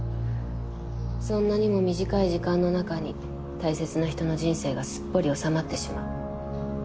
そんなにも短い時間の中に大切な人の人生がすっぽり収まってしまう。